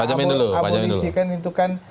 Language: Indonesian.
abolisi kan itu kan